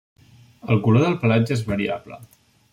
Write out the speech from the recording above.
El color del pelatge és variable.